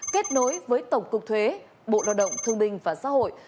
kết nối với tổng cục thuế bộ lo động thương bình và xã hội